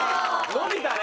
伸びたね。